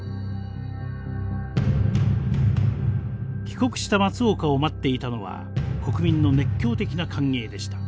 帰国した松岡を待っていたのは国民の熱狂的な歓迎でした。